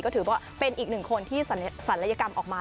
ก็ถือว่าเป็นอีกหนึ่งคนที่ศัลยกรรมออกมา